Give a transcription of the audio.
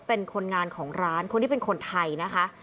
เป็นคนงานของร้านคนที่เป็นคนไทยนะคะ